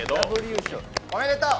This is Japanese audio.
おめでとう！